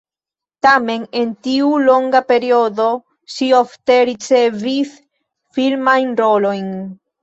Tamen en tiu longa periodo ŝi ofte ricevis filmajn rolojn.